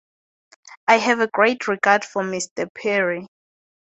I have a great regard for Mr Perry.